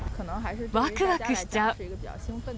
わくわくしちゃう。